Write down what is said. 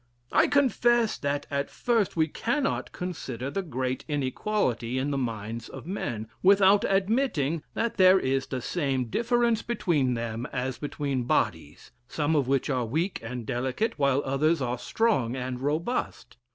I confess that, at first, we cannot consider the great inequality in the minds of men, without admitting that there is the same difference between them as between bodies, some of which are weak and delicate, while others are strong and robust.